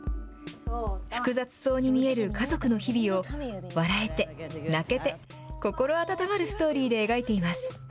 複雑そうに見える家族の日々を、笑えて、泣けて、心温まるストーリーで描いています。